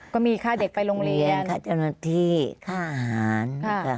ก็มีค่าเด็กไปโรงเรียนค่าโรงเรียนค่าเจ้าหน้าที่ค่าอาหาร